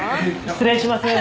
失礼します。